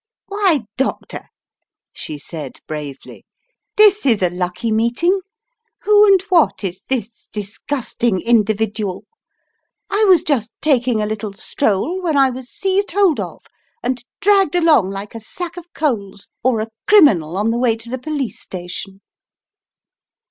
"Why, Doctor!" she said bravely. "This is a lucky meeting. Who and what is this disgusting individual? I was just taking a little stroll, when I was seized hold of and dragged along like a sack of coals, or a criminal on the way to the police station."